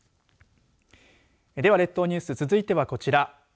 では、列島ニュース続いてはこちら。